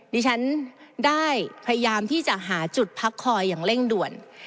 ดิฉันได้พยายามที่จะหาจุดพักคอยอย่างเร่งด่วน